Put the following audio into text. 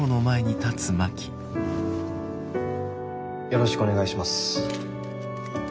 よろしくお願いします。